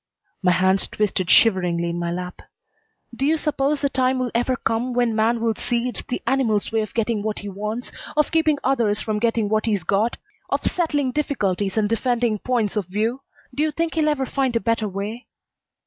My hands twisted shiveringly in my lap. "Do you suppose the time will ever come when man will see it's the animal's way of getting what he wants, of keeping others from getting what he's got, of settling difficulties and defending points of view? Do you think he'll ever find a better way?"